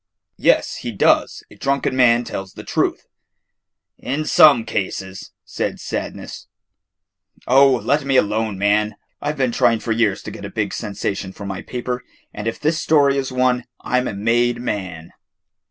"Yes, he does, a drunken man tells the truth." "In some cases," said Sadness. "Oh, let me alone, man. I 've been trying for years to get a big sensation for my paper, and if this story is one, I 'm a made man."